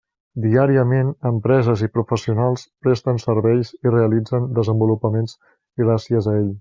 Diàriament, empreses i professionals presten serveis i realitzen desenvolupaments gràcies a ell.